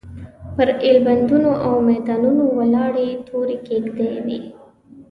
پر ایلبندونو او میدانونو ولاړې تورې کېږدۍ وې.